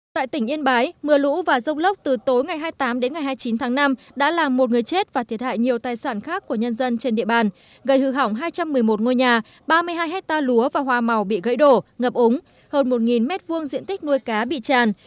tại tỉnh yên bái mưa lũ và rông lốc từ tối ngày hai mươi tám đến ngày hai mươi chín tháng năm đã làm một người chết và thiệt hại nhiều tài sản khác của nhân dân trên địa bàn gây hư hỏng hai trăm một mươi một ngôi nhà ba mươi hai hectare lúa và hoa màu bị gãy đổ ngập úng hơn một m hai diện tích nuôi cá bị tràn